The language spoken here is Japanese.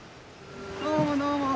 どうもどうも。